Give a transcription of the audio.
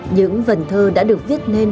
những vần thơ đã được viết nên